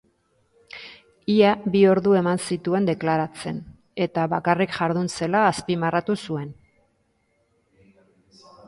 Ia bi ordu eman zituen deklaratzen, eta bakarrik jardun zela azpimarratu zuen.